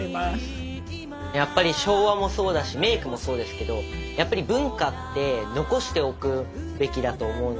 やっぱり昭和もそうだしメークもそうですけどやっぱり文化って残しておくべきだと思うので。